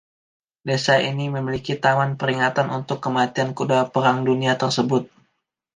Desa ini memiliki Taman Peringatan untuk kematian kedua Perang Dunia tersebut.